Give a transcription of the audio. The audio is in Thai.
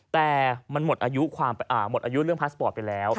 แต่มันหมดอายุเรื่องพาสปอร์ตไปแล้ว